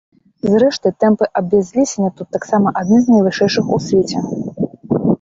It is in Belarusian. Зрэшты, тэмпы абязлесення тут таксама адныя з найвышэйшых у свеце.